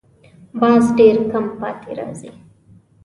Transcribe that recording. باز ډېر کم پاتې راځي